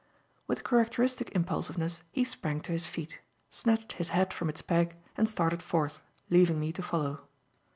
With characteristic impulsiveness he sprang to his feet, snatched his hat from its peg, and started forth, leaving me to follow.